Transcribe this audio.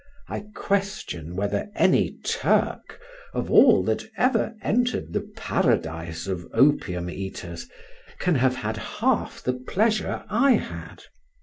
I question whether any Turk, of all that ever entered the Paradise of Opium eaters, can have had half the pleasure I had.